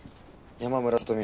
山村聡美